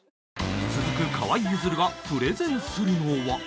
続く河井ゆずるがプレゼンするのは